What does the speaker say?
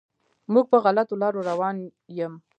موږ په غلطو لارو روان یم.